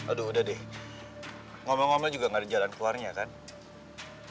aduh udah deh ngobrol ngobrol juga gak ada jalan keluarnya kan